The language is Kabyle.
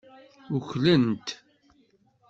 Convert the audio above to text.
Uklen-t.